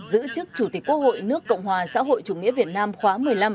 giữ chức chủ tịch quốc hội nước cộng hòa xã hội chủ nghĩa việt nam khóa một mươi năm